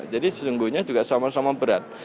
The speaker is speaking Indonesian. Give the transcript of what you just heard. jadi sejujurnya juga sama sama berat